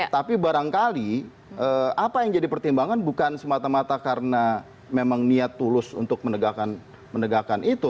tapi barangkali apa yang jadi pertimbangan bukan semata mata karena memang niat tulus untuk menegakkan itu